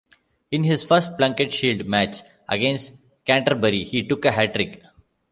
In his first Plunket Shield match, against Canterbury, he took a hat-trick.